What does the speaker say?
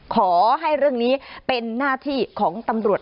ขอให้เรื่องนี้เป็นหน้าที่ของตำรวจ